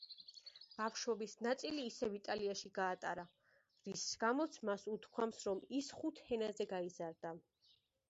ბავშვობის ნაწილი ასევე იტალიაში გაატარა, რის გამოც მას უთქვამს, რომ ის „ხუთ ენაზე გაიზარდა“.